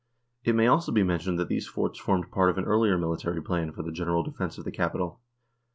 It may also be mentioned that these forts formed part of an earlier military plan for the general defence of the capital.